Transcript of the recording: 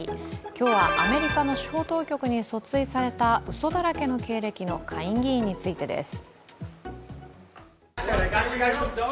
今日は、アメリカの司法当局に訴追されたうそだらけの経歴の下院議員についてです。